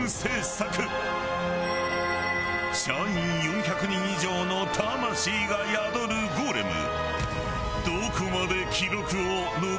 社員４００人以上の魂が宿るゴーレム。